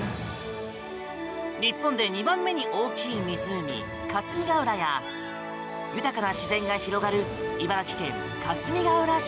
日本で２番目に大きい湖霞ヶ浦や豊かな自然が広がる茨城県かすみがうら市。